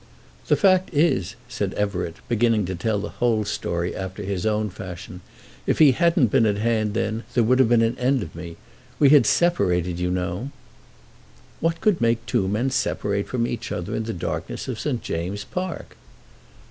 "The fact is," said Everett, beginning to tell the whole story after his own fashion, "if he hadn't been at hand then, there would have been an end of me. We had separated, you know, " "What could make two men separate from each other in the darkness of St. James's Park?"